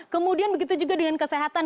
kemudian begitu juga dengan kesehatan